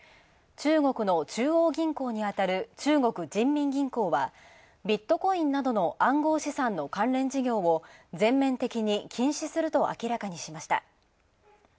中国の中央銀行に当たる中国人民銀行はビットコインなどの暗号資産の関連事業を全面的に禁止すると明らかにしました。